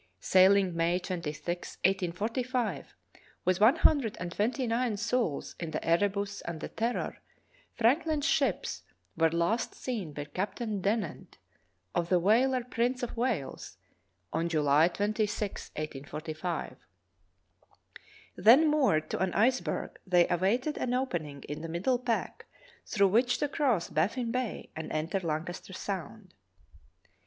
Sailing May 26, 1845, with one hundred and twenty nine souls in the Erebus and the Terror, Franklin's ships were last seen by Captain Dennett, of the whaler Prmce of Wales, on July 26, 1845. Then moored to an iceberg, they awaited an opening in the middle pack through which to cross Baffin Bay and enter Lancaster Sound.